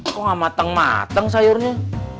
kok gak mateng mateng sayurnya